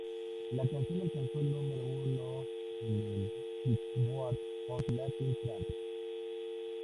La canción alcanzó el número uno en el Billboard Hot Latin Tracks.